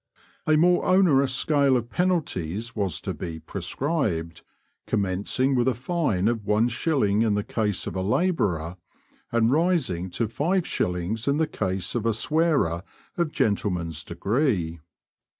A more onerous scale of penalties was to be prescribed, commencing with a fine of one shilling in the case of a labourer, and rising to five shillings in the case of a swearer of gentleman's degree.